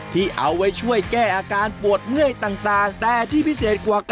ที่เอาไว้ช่วยแก้อาการปลวดเหนื่อยต่าง